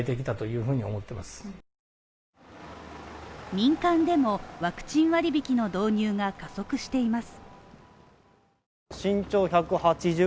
民間でもワクチン割引の導入が加速しています。